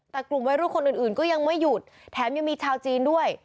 แต่กลุ่มวัยรุ่นคนอื่นก็ยังไม่หยุดแถมยังมีชาวจีนด้วย